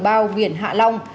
bao viện hạ long